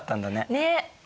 ねっ。